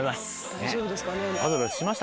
大丈夫ですかね。